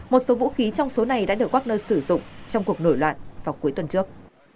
một số vũ khí trong số này đã được wagner sử dụng trong cuộc nổi loạn vào cuối tuần trước